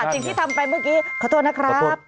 สิ่งที่ทำไปเมื่อกี้ขอโทษนะครับ